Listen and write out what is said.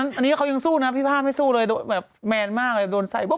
อันนี้เขายังสู้นะครับพี่ภาพไม่สู้แบบแมนมากเลยโดนใส่